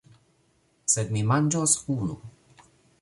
Sed mi manĝos unu!